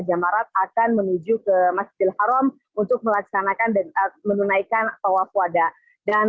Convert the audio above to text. jamarat akan menuju ke masjidil haram untuk melaksanakan dan menunaikan tawaf wadah dan